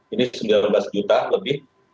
ini sembilan belas juta lebih